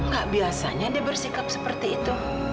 gak biasanya dia bersikap seperti itu